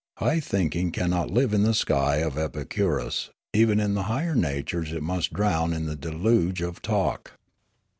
High thinking cannot live in the st}' of Epicurus ; even in the higher natures it must drown in the deluge of talk.